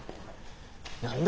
何だ？